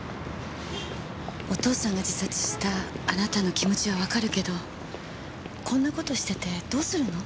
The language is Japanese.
お父さんが自殺したあなたの気持ちはわかるけどこんな事しててどうするの？